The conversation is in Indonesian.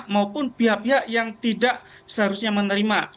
maupun pihak pihak yang tidak seharusnya menerima